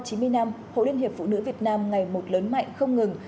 trải qua chín mươi năm hội liên hiệp phụ nữ việt nam ngày một lớn mạnh không ngừng